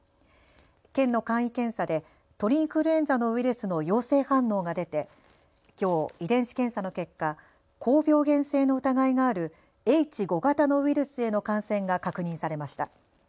県の簡易検査で鳥インフルエンザのウイルスの陽性反応が出てきょう遺伝子検査の結果、高病原性の疑いがあるＨ５型のウイルスへの感染が確認されました。